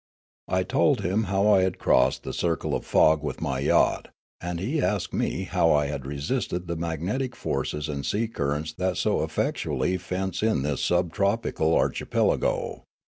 I told him how I had crossed the circle of fog with my yacht, and he asked me how I had resisted the magnetic forces and sea currents that so effectually fence in this sub tropical archipelago.